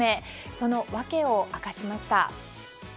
その訳を明かしました。